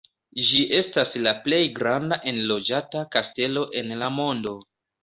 Ĝi estas la plej granda enloĝata kastelo en la mondo.